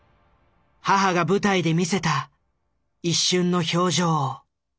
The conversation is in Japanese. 母が舞台で見せた一瞬の表情を。